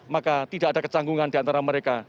maka tidak ada kecanggungan diantara mereka